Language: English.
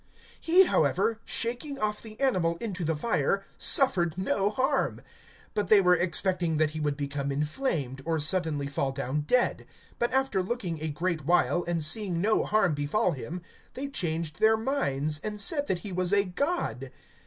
(5)He, however, shaking off the animal into the fire, suffered no harm. (6)But they were expecting that he would become inflamed, or suddenly fall down dead; but after looking a great while, and seeing no harm befall him, they changed their minds, and said that he was a god.